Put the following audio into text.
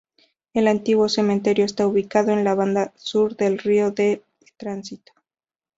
El antiguo cementerio está ubicado en la banda sur del Río El Tránsito.